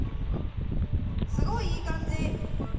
すごいいい感じ。